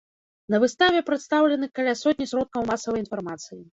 На выставе прадстаўлены каля сотні сродкаў масавай інфармацыі.